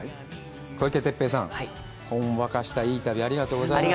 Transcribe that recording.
小池徹平さん、ほんわかしたいい旅ありがとうございました。